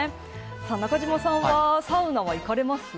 中島さんはサウナは行かれますか。